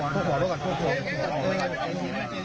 พูดหัวก่อน